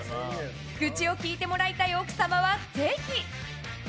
愚痴を聞いてもらいたい奥様はぜひ！